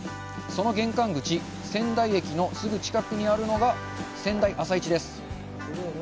その玄関口、仙台駅のすぐ近くにあるのが仙台朝市です。